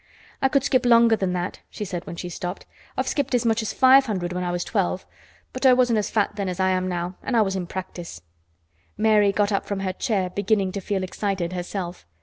"I could skip longer than that," she said when she stopped. "I've skipped as much as five hundred when I was twelve, but I wasn't as fat then as I am now, an' I was in practice." Mary got up from her chair beginning to feel excited herself.